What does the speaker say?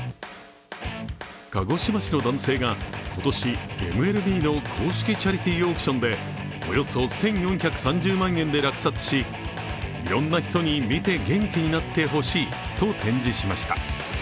鹿児島市の男性が今年ＭＬＢの公式チャリティーオークションでおよそ１４３０万円で落札しいろいろな人に見て元気になってほしいと展示しました。